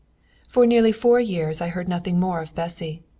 TR.] For nearly four years I heard nothing more of Bessy.